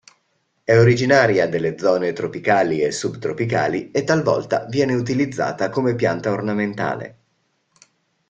È originaria delle zone tropicali e subtropicali e talvolta viene utilizzata come pianta ornamentale.